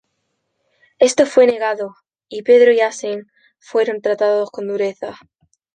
Esto fue negado, y Pedro y Asen fueron tratados con dureza.